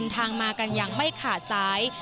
ทางมากันอย่างไม่ขาดสาย